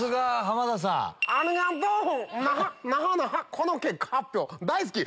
この結果発表大好き！